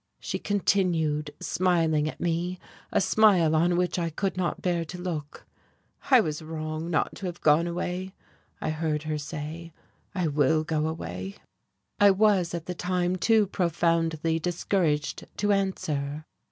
She continued smiling at me, a smile on which I could not bear to look. "I was wrong not to have gone away," I heard her say. "I will go away." I was, at the time, too profoundly discouraged to answer....